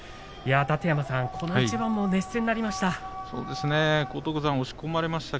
楯山さん、この一番も熱戦になりました。